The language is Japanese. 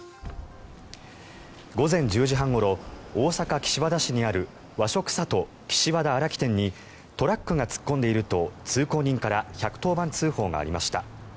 午前１０時半ごろ大阪・岸和田市にある和食さと岸和田荒木店にトラックが突っ込んでいると通行人から１１０番通報がありました。